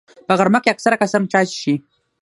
په غرمه کې اکثره کسان چای څښي